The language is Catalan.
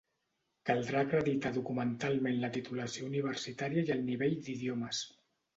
Caldrà acreditar documentalment la titulació universitària i el nivell d'idiomes.